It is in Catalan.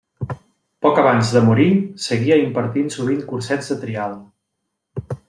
Poc abans de morir, seguia impartint sovint cursets de trial.